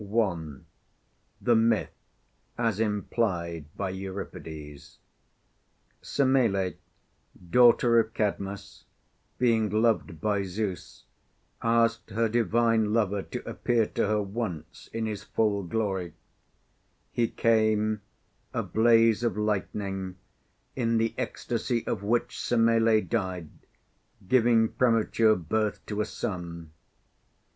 1. The Myth, as implied by Euripides. Semelê, daughter of Cadmus, being loved by Zeus, asked her divine lover to appear to her once in his full glory; he came, a blaze of miraculous lightning, in the ecstasy of which Semelê died, giving premature birth to a son.